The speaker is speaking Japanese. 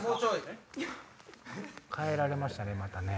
帰られましたねまた。